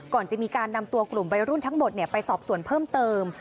ก่อนจะมีการนำตัวกลุ่มวัยรุ่นทั้งหมดไปสอบส่วนเพิ่มเติม